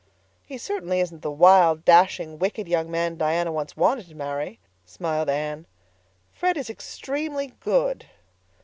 "He certainly isn't the wild, dashing, wicked, young man Diana once wanted to marry," smiled Anne. "Fred is extremely good."